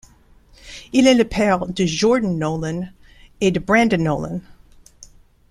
Il est le père de Jordan Nolan et de Brandon Nolan.